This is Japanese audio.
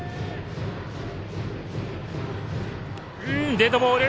デッドボール。